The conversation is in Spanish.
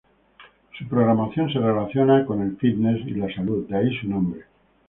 Su programación se relaciona con el Fitness y la salud, de ahí su nombre.